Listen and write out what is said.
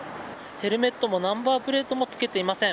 ヘルメットもナンバープレートもつけていません。